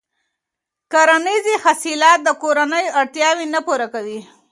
کرنیزې حاصلات د کورنیو اړتیاوې نه پوره کوي.